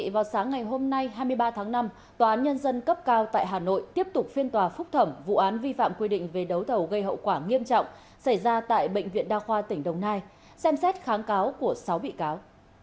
vào sáng ngày hôm nay hai mươi ba tháng năm tòa án nhân dân cấp cao tại hà nội tiếp tục phiên tòa phúc thẩm vụ án vi phạm quy định về đấu thầu gây hậu quả nghiêm trọng xảy ra tại bệnh viện đa khoa tỉnh đồng nai xem xét kháng cáo của sáu bị cáo